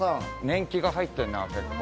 年季が入ってるな結構。